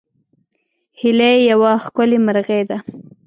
هیلۍ یوه ښکلې مرغۍ ده